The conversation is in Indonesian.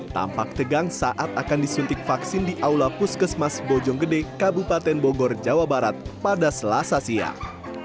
tampak tegang saat akan disuntik vaksin di aula puskesmas bojonggede kabupaten bogor jawa barat pada selasa siang